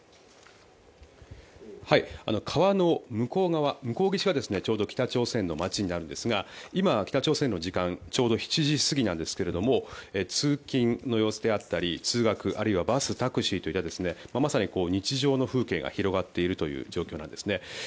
川の向こう側、向こう岸がちょうど北朝鮮の街になるんですが今、北朝鮮の時間ちょうど７時過ぎなんですけど通勤の様子であったり通学、あるいはバス、タクシーであったりとかまさに日常の風景が広がっているという状況です。